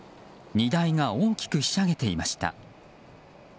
荷台が大きくひしゃげていました。